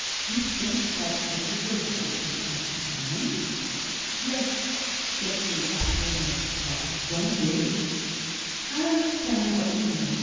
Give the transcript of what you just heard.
"You think that it is a right which must be earned?" "Yes," said she, after a minute's pause. "Don't you?" "I understand what you mean.